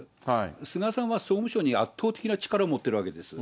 菅さんは総務省に圧倒的な力を持っているわけです。